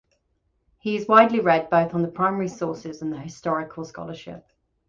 He is widely read both on the primary sources and the historical scholarship.